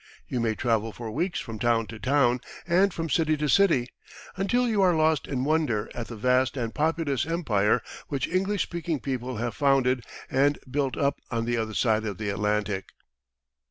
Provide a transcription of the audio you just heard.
You may travel for weeks from town to town, and from city to city, until you are lost in wonder at the vast and populous empire which English speaking people have founded and built up on the other side of the Atlantic.